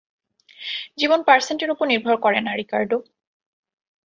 জীবন পার্সেন্টের উপর নির্ভর করে না, রিকার্ডো।